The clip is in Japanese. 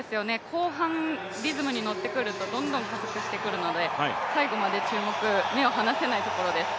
後半、リズムに乗ってくるとどんどん加速してくるので最後まで注目、目が離せないところです。